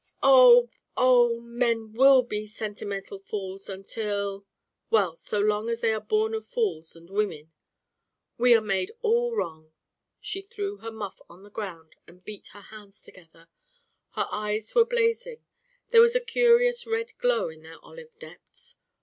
"Oh! Oh! Men will be sentimental fools until well, so long as they are born of fools and women. We are made all wrong!" She threw her muff on the ground and beat her hands together. Her eyes were blazing. There was a curious red glow in their olive depths.